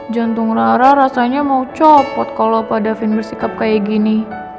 jantung ra ra rasanya mau copot kalo opa davin bersikap kayak gini